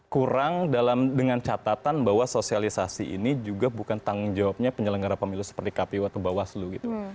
kurang dengan catatan bahwa sosialisasi ini juga bukan tanggung jawabnya penyelenggara pemilu seperti kpu atau bawaslu gitu